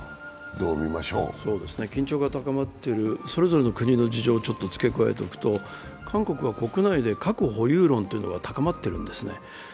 緊張が高まっているそれぞれの国の事情を付け加えておくと、韓国は国内で核保有論が高まってるんです。